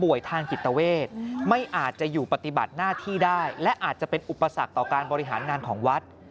ทางจิตเวทไม่อาจจะอยู่ปฏิบัติหน้าที่ได้และอาจจะเป็นอุปสรรคต่อการบริหารงานของวัด